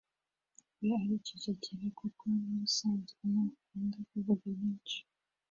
we aricecekera kuko n’ubusanzwe ntakunda kuvuga menshi